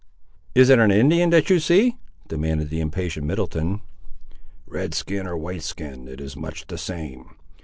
"Is it an Indian, that you see?" demanded the impatient Middleton. "Red skin or White skin it is much the same.